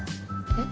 えっ？